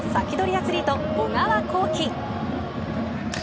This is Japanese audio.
アツリート、小川航基